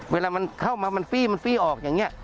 เวลามันเข้ามามันฟี่มันฟี่ออกอย่างนี้